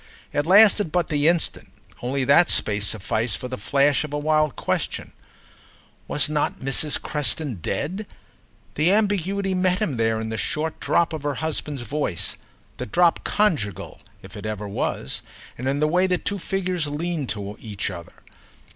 It lasted but the instant, only that space sufficed for the flash of a wild question. Was not Mrs. Creston dead?—the ambiguity met him there in the short drop of her husband's voice, the drop conjugal, if it ever was, and in the way the two figures leaned to each other.